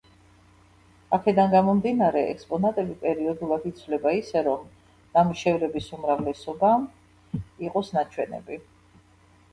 აქედან გამომდინარე, ექსპონატები პერიოდულად იცვლება ისე, რომ ნამუშევრების უმრავლესობა იყოს ნაჩვენები.